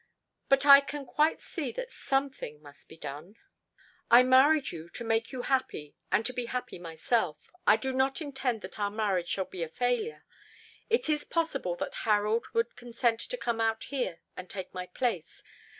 But I can quite see that something must be done.... "I married you to make you happy and to be happy myself. I do not intend that our marriage shall be a failure. It is possible that Harold would consent to come out here and take my place.